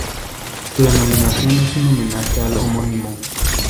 Su denominación es un homenaje al homónimo.